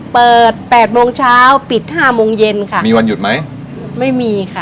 แปดโมงเช้าปิดห้าโมงเย็นค่ะมีวันหยุดไหมไม่มีค่ะ